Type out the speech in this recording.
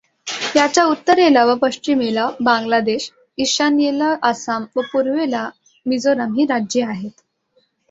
याच्या उत्तरेला व पश्चिमेला बांग्लादेश, ईशान्येला आसाम व पूर्वेला मिझोराम ही राज्ये आहेत.